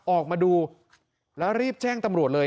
ออกมาดูแล้วรีบแจ้งตำรวจเลย